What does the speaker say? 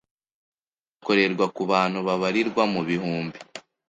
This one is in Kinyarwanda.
akenshi akorerwa ku bantu babarirwa mu bihumbi